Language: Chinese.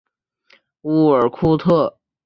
乌尔库特。